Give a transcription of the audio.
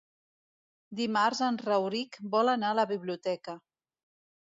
Dimarts en Rauric vol anar a la biblioteca.